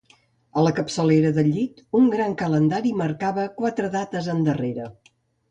A la capçalera del llit, un gran calendari marcava quatre dates endarrere.